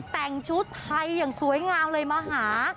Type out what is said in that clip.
แต่งชุดไทยอย่างสวยงามเลยมาหา